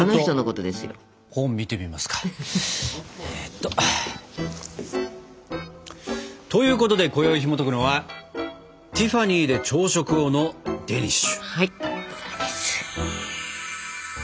ちょっと本見てみますか。ということでこよいひもとくのは「ティファニーで朝食を」のデニッシュ。